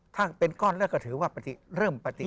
ถ้าเป็นก้อนแล้วก็ถือว่าเริ่มปฏิ